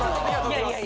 いやいや。